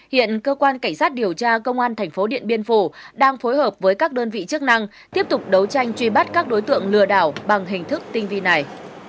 hiện cơ quan cảnh sát điều tra công an thành phố điện biên phủ đang phối hợp với các đơn vị chức năng tiếp tục đấu tranh truy bắt các đối tượng lừa đảo bằng hình thức tinh vi này